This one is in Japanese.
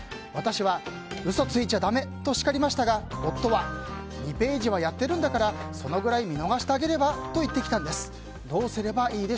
私は、嘘ついちゃだめと叱りましたが夫は２ページはやってるんだからそのくらい見逃してあげれば？と言ってきたんです。